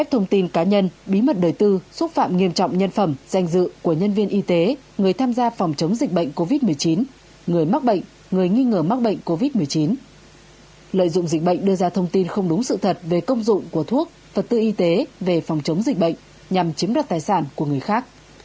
lợi dụng dịch bệnh đưa ra thông tin không đúng sự thật về công dụng của thuốc vật tư y tế về phòng chống dịch bệnh nhằm chiếm đoạt tài sản của người khác